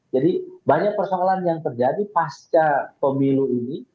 jadi banyak persoalan yang terjadi pasca pemilu ini